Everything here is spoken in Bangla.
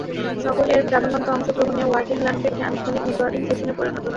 সকলের প্রাণবন্ত অংশগ্রহণে ওয়ার্কিং লাঞ্চও একটি অনানুষ্ঠানিক নেটওয়ার্কিং সেশনে পরিণত হয়।